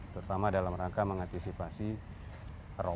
terutama dalam rangka mengantisipasi rokok